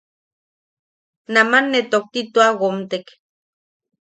Naman ne tokti tua womtek.